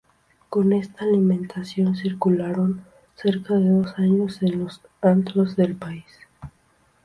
Con esta alineación circularon cerca de dos años en los antros del país.